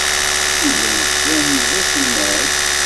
Yuba yettban-d d aselmad.